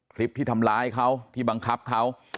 คลิปที่ทำร้ายเขาที่บังคับเขา